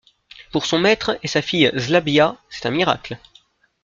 Pour son maître et sa fille Zlabya, c’est un miracle.